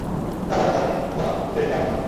চাচার ব্যথায় আমি মুহ্যমান, পুত্রের শোকে আমি উন্মাদ।